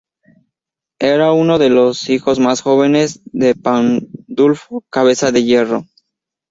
Era uno de los hijos más jóvenes de Pandulfo "Cabeza de Hierro".